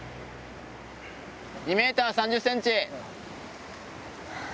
２ｍ３０ｃｍ。